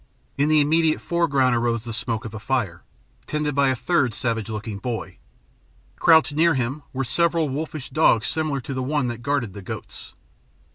In the immediate foreground arose the smoke of a fire, tended by a third savage looking boy. Crouched near him were several wolfish dogs similar to the one that guarded the goats.